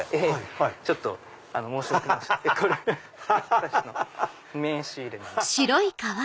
私の名刺入れなんですけど。